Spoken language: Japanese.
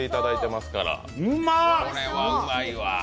これはうまいわ。